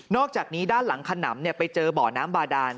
อกจากนี้ด้านหลังขนำไปเจอบ่อน้ำบาดาน